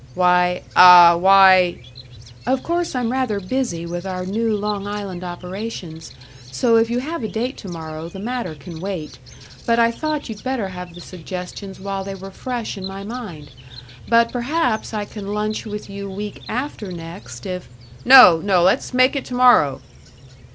"Why, uh, why " "Of course I'm rather busy with our new Long Island operations, so if you have a date to morrow, the matter can wait, but I thought you'd better have the suggestions while they were fresh in my mind. But perhaps I can lunch with you week after next, if " "No, no, let's make it to morrow."